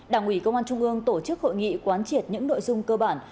đảng ủy công an trung ương tổ chức hội nghị quán triệt những nội dung cơ bản